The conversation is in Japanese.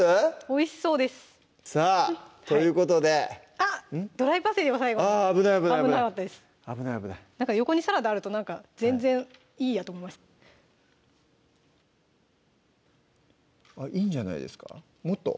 おいしそうですさぁということであっドライパセリを最後にあっ危ない危ない危ない危ない危ない横にサラダあるとなんか全然いいやと思いますあっいいんじゃないですかもっと？